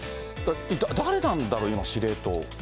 誰なんだろう、今、司令塔。